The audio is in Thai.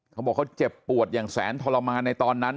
เขาบอกเขาเจ็บปวดอย่างแสนทรมานในตอนนั้น